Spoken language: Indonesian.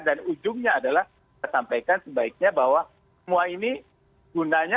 dan ujungnya adalah saya sampaikan sebaiknya bahwa semua ini gunanya